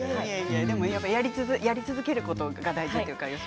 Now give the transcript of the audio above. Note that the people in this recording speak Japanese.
やり続けることが大事ですね。